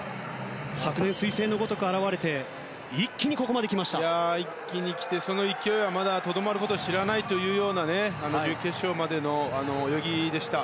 昨年、すい星のごとく現れて一気にきてその勢いはまだとどまることを知らないというような準決勝までの泳ぎでした。